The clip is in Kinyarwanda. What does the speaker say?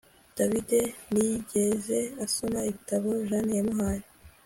David ntiyigeze asoma igitabo Jane yamuhaye